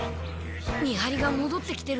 見はりがもどってきてる。